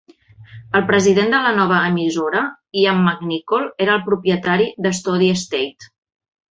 El president de la nova emissora, Ian McNicol, era el propietari d'Stody Estate.